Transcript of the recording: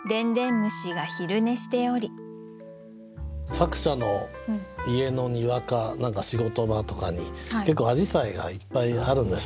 作者の家の庭か何か仕事場とかに結構あじさいがいっぱいあるんでしょうね。